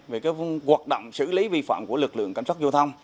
về hoạt động xử lý vi phạm của lực lượng cảnh sát giao thông